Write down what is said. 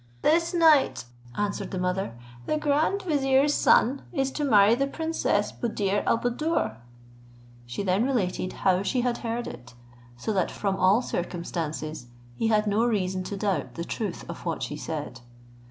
"This night," answered the mother, "the grand vizier's son is to marry the princess Buddir al Buddoor." She then related how she had heard it; so that from all circumstances, he had no reason to doubt the truth of what she said.